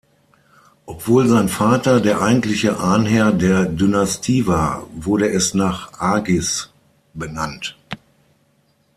Obwohl sein Vater der eigentliche Ahnherr der Dynastie war, wurde es nach Agis benannt.